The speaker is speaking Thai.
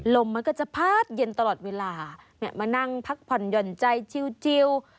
ลมมันก็จะพาดเย็นตลอดเวลามานั่งพักผ่อนหย่อนใจจิล